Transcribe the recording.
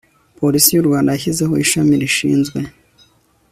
porisi y'u rwanda yashyizeho ishami rishinzwe